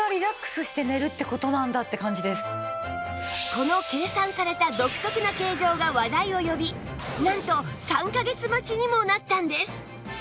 この計算された独特な形状が話題を呼びなんと３カ月待ちにもなったんです